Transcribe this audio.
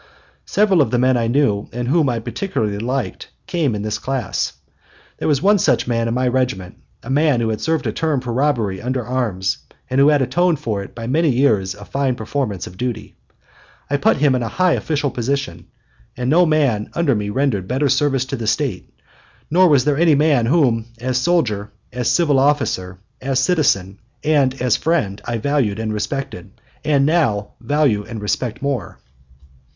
Several of the men I knew and whom I particularly liked came in this class. There was one such man in my regiment, a man who had served a term for robbery under arms, and who had atoned for it by many years of fine performance of duty. I put him in a high official position, and no man under me rendered better service to the State, nor was there any man whom, as soldier, as civil officer, as citizen, and as friend, I valued and respected and now value and respect more.